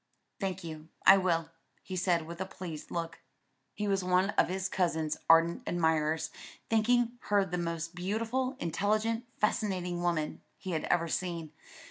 "Thank you, I will," he said with a pleased look. He was one of his cousin's ardent admirers, thinking her the most beautiful, intelligent, fascinating woman he had ever seen.